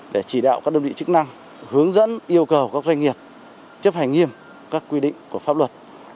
để chỉ đạo các đơn vị chức năng hướng dẫn yêu cầu các doanh nghiệp chấp hành nghiêm các quy định của pháp luật